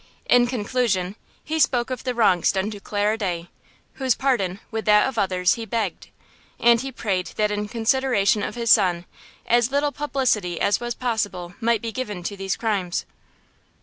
In conclusion, he spoke of the wrongs done to Clara Day, whose pardon, with that of others, he begged. And he prayed that in consideration of his son, as little publicity as was possible might be given to these crimes.